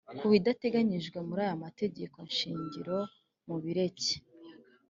Kubidateganyijwe muri aya mategeko shingiro mubireke.